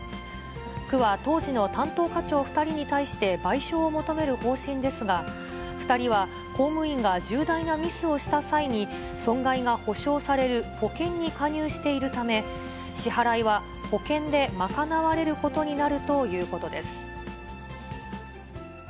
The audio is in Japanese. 区は当時の担当課長２人に対して、賠償を求める方針ですが、２人は公務員が重大なミスをした際に、損害が補償される保険に加入しているため、支払いは保険で賄われることになるということです。